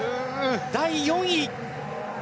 第４位。